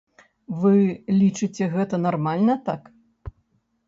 Вы лічыце гэта нармальна, так?